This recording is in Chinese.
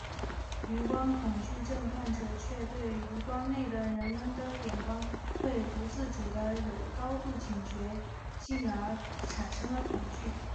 余光恐惧症患者却对余光内的人们的眼光会不自主的有高度警觉进而产生了恐惧。